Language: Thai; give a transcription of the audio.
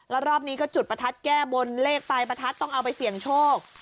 แล้วรอบนี้ก็จุดประทัดแก้บนเลขปลายประทัดต้องเอาไปเสี่ยงโชค